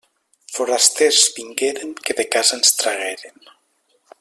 Forasters vingueren que de casa ens tragueren.